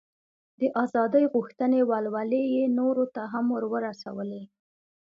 د ازادۍ غوښتنې ولولې یې نورو ته هم ور ورسولې.